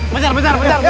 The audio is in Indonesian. bajar bajar bajar